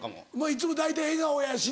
いつも大体笑顔やしな。